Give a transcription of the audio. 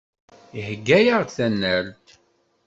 Iheyya-aɣ-d tanalt.